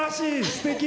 すてき！